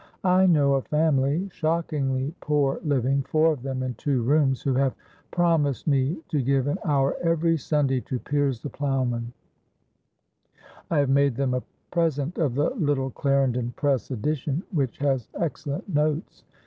I know a familyshockingly poor living, four of them, in two roomswho have promised me to give an hour every Sunday to 'Piers the Plowman'I have made them a present of the little Clarendon Press edition, which has excellent notes.